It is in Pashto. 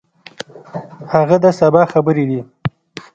هغه د سبا خبرې دي.